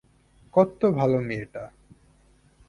কত্ত ভালো মেয়েটা!